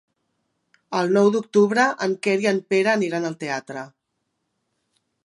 El nou d'octubre en Quer i en Pere aniran al teatre.